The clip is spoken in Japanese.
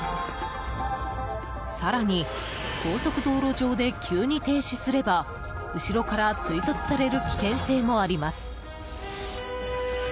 更に、高速道路上で急に停止すれば後ろから追突される危険性もあります。